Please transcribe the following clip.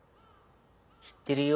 知ってるよ。